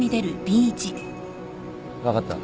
分かった。